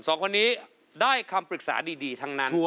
สองคนนี้ได้คำปรึกษาดีทั้งนั้น